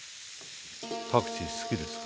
パクチー好きですか？